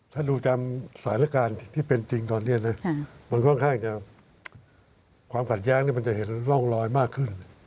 ให้ดูแถมสายละครที่เป็นจริงตอนนี้คือความขาดย้างนี่มันจะเห็นร่องรอยมากขึ้น